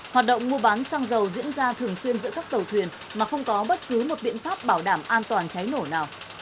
hoạt động mua bán xăng dầu diễn ra thường xuyên giữa các tàu thuyền mà không có bất cứ một biện pháp bảo đảm an toàn cháy nổ nào